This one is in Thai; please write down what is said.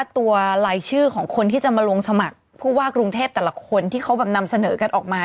ตัวรายชื่อของคนที่จะมาลงสมัครผู้ว่ากรุงเทพแต่ละคนที่เขานำเสนอกันออกมา